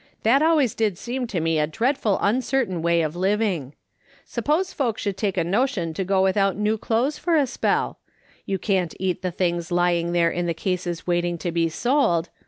That always did seem to me a dreadful uncertain way of living ! Suppose folks should take a notion to go without new clothes for a spell ? You can't eat the things lying there in the cases waiting to be sold.